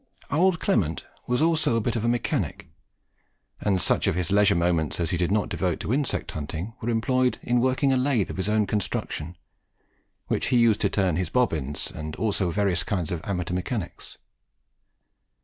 "Old Clement" was also a bit of a mechanic, and such of his leisure moments as he did not devote to insect hunting, were employed in working a lathe of his own construction, which he used to turn his bobbing on, and also in various kinds of amateur mechanics.